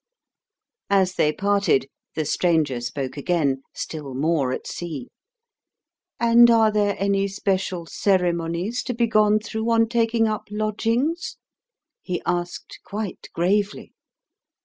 As they parted, the stranger spoke again, still more at sea. "And are there any special ceremonies to be gone through on taking up lodgings?" he asked quite gravely.